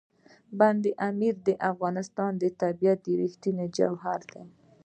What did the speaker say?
بند امیر د افغانستان د طبیعت رښتینی جوهر دی.